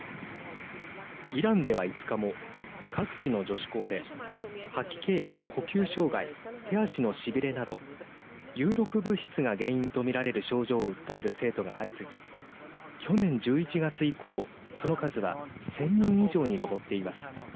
イランでは５日も各地の女子高で吐き気や呼吸障害手足のしびれなど有毒物質が原因と見られる症状を訴える生徒が相次ぎ去年１１月以降、その数は１０００人以上に上っています。